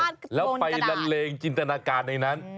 แล้วไประเลงจินทนาการไหนนั้น